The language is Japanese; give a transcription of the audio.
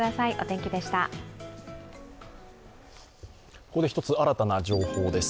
ここで１つ新たな情報です。